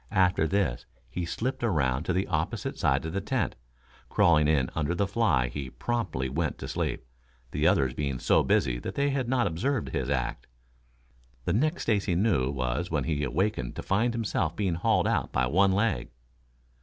After this, he slipped around to the opposite side of the tent. Crawling in under the fly he promptly went to sleep, the others being so busy that they had not observed his act. The next Stacy knew was when he awakened to find himself being hauled out by one leg.